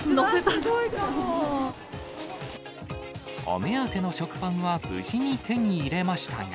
お目当ての食パンは無事に手に入れましたが。